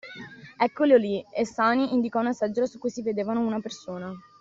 Eccoli lì, e Sani indicò una seggiola su cui si vedevano una persona